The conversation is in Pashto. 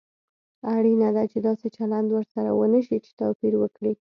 اړینه ده چې داسې چلند ورسره ونشي چې توپير وکړي.